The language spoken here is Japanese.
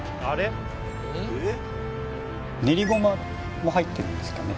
練りごまも入ってるんですかね